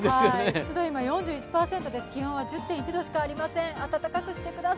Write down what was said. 湿度、今４１％、気温は１０．１度しかありません。